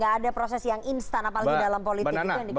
gak ada proses yang instan apalagi dalam politik itu yang dikatakan oleh pak